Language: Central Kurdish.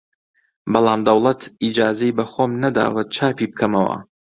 بەڵام دەوڵەت ئیجازەی بە خۆم نەداوە چاپی بکەمەوە!